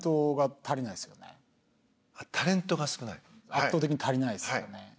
圧倒的に足りないですよね